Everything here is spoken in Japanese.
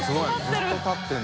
ずっと立ってる。）